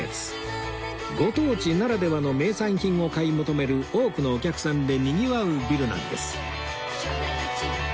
ご当地ならではの名産品を買い求める多くのお客さんでにぎわうビルなんです